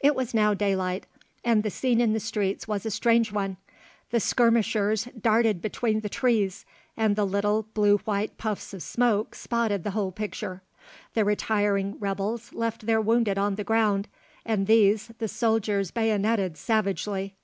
It was now daylight, and the scene in the streets was a strange one. The skirmishers darted between the trees, and the little blue white puffs of smoke spotted the whole picture. The retiring rebels left their wounded on the ground, and these the soldiers bayoneted savagely.